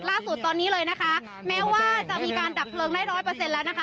ล่าสุดตอนนี้เลยนะคะแม้ว่าจะมีการดับเพลิงได้ร้อยเปอร์เซ็นต์แล้วนะคะ